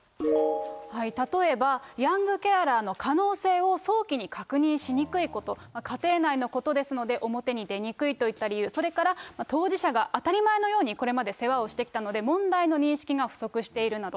例えばヤングケアラーの可能性を早期に確認しにくいこと、家庭内のことですので、表に出にくいという理由、それから当事者が当たり前のようにこれまで世話をしてきたので、問題の認識が不足しているなど。